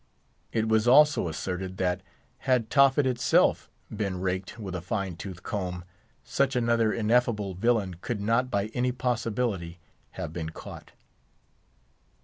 It was also asserted that, had Tophet itself been raked with a fine tooth comb, such another ineffable villain could not by any possibility have been caught.